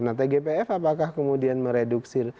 nah tgpf apakah kemudian mereduksi